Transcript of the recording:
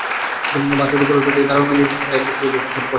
ভাত, রুটি, পরোটা দিয়ে দারুন মানিয়ে যায় মুখোরোচক এই পদটি।